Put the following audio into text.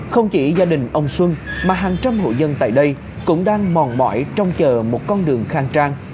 không chỉ gia đình ông xuân mà hàng trăm hộ dân tại đây cũng đang mòn mỏi trông chờ một con đường khang trang